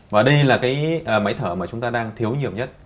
và đây là cái máy thở mà chúng ta đang thiếu nhiều nhất